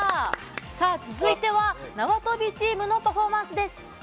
続いてはなわとびチームのパフォーマンスです。